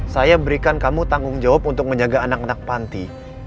saya berikan kamu tanggung jawab untuk menjaga anak anak panti